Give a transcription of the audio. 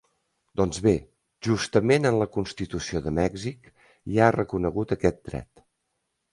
Doncs bé, justament en la constitució de Mèxic hi ha reconegut aquest dret.